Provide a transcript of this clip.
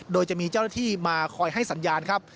โดยจะมีเจ้าหน้าที่มาคอยให้สัญญาณครับ